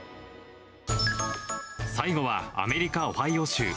最後はアメリカ・オハイオ州。